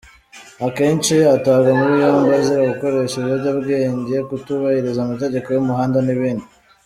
Akenshi atabwa muri yombi azira gukoresha ibiyobyabwenge, kutubahiriza amategeko y’umuhanda n’ibindi.